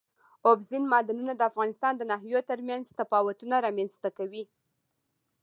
اوبزین معدنونه د افغانستان د ناحیو ترمنځ تفاوتونه رامنځ ته کوي.